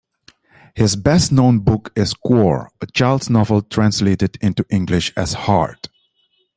His best-known book is "Cuore", a children's novel translated into English as "Heart".